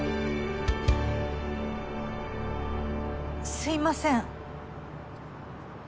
すいません。